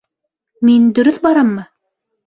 Мин... дөрөҫ бараммы?